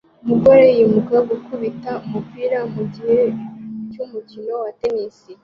Umugore yimuka gukubita umupira mugihe cy'umukino wa tennis